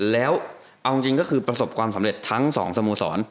แล้วเอาจริงก็คือประสบความสำเร็จทั้งสองสโมสร